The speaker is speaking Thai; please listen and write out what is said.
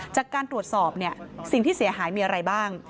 จากการตรวจสอบสิ่งที่เสียหายมีอะไรบ้าง